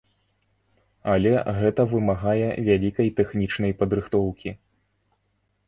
Але гэта вымагае вялікай тэхнічнай падрыхтоўкі.